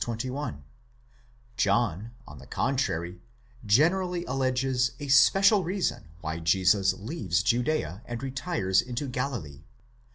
21): John, on the contrary, generally alleges a special reason why Jesus leaves Judea, and retires into Galilee.